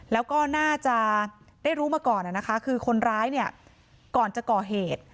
แล้วก็น่าจะได้รู้มาก่อนนะคะคือคนร้ายเนี่ยก่อนจะก่อเหตุ